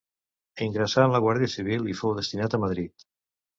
Ingressà en la Guàrdia Civil i fou destinat a Madrid.